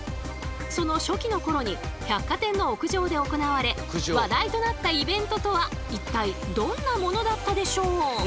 その初期の頃に百貨店の屋上で行われ話題となったイベントとは一体どんなものだったでしょう？